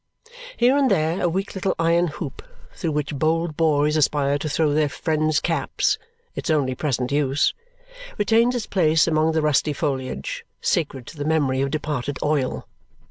Here and there a weak little iron hoop, through which bold boys aspire to throw their friends' caps (its only present use), retains its place among the rusty foliage, sacred to the memory of departed oil.